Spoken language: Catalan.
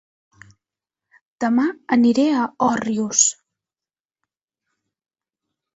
Dema aniré a Òrrius